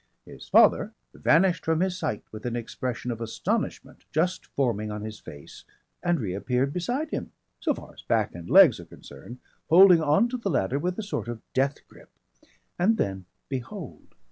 His father vanished from his sight with an expression of astonishment just forming on his face and reappeared beside him, so far as back and legs are concerned, holding on to the ladder with a sort of death grip. And then behold!